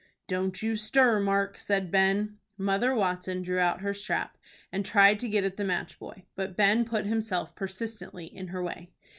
"Don't you stir, Mark," said Ben. Mother Watson drew out her strap, and tried to get at the match boy, but Ben put himself persistently in her way.